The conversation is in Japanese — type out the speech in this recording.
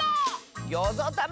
「よぞたま」！